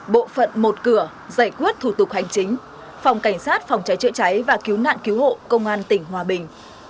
bộ phận một cửa giải quyết thủ tục hành chính phòng cảnh sát phòng cháy chữa cháy và cứu nạn cứu hộ công an tỉnh hòa bình